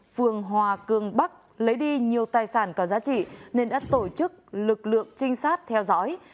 phường hòa cường bắc lấy đi nhiều tài sản có giá trị nên đã tổ chức lực lượng trinh sát theo dõi